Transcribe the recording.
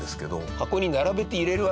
箱に並べて入れるわけですね